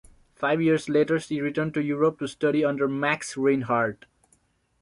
Five years later she returned to Europe to study under Max Reinhardt.